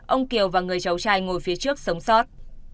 ông kiều và người cháu trai ngồi phía trước sống sót